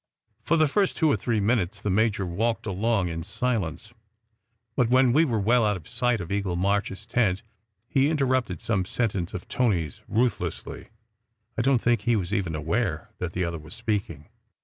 For the first two or three minutes the major walked along in silence; but when we were well out of sight of Eagle March s tent he interrupted some sentence of Tony s ruthlessly. I don t think he was even aware that the other was speaking.